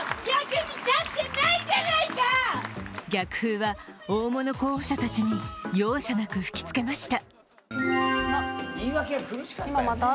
逆風は大物候補者たちに容赦なく吹きつけました。